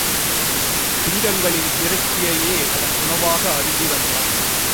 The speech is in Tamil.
சிங்கங்களின் இறைச்சியையே அவன் உணவாக அருந்தி வந்தான்.